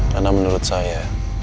karena menurut saya